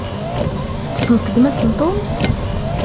Tessneḍ gma-s n Tom?